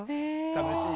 楽しい。